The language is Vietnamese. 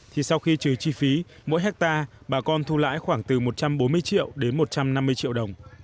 thì sau khi trừ chi phí mỗi hectare bà con thu lãi khoảng từ một trăm bốn mươi triệu đến một trăm năm mươi triệu đồng